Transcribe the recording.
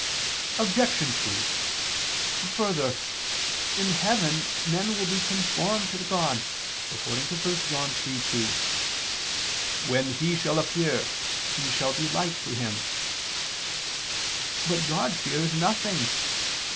Obj. 2: Further, in heaven men will be conformed to God, according to 1 John 3:2, "When He shall appear, we shall be like to Him." But God fears nothing.